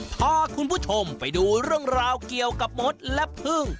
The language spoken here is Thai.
พาคุณผู้ชมไปดูเรื่องราวเกี่ยวกับมดและพึ่ง